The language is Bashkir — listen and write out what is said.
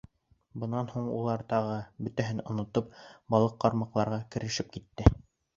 Бынан һуң улар тағы, бөтәһен онотоп, балыҡ ҡармаҡларға керешеп китте.